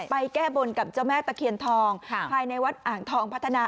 แก้บนกับเจ้าแม่ตะเคียนทองภายในวัดอ่างทองพัฒนา